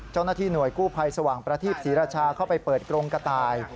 เจ้าหน้าที่หน่วยกู้ภัยสว่างประทีปศรีราชาเข้าไปเปิดกรงกระต่าย